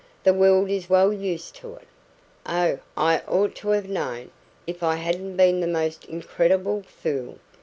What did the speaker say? The world is well used to it. Oh, I ought to have known if I hadn't been the most incredible fool!